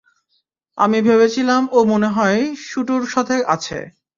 আমি ভেবেছিলাম ও মনে হয় শুটুর সাথে আছে।